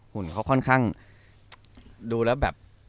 หุ่นเขาค่อนข้างดูแล้วแบบ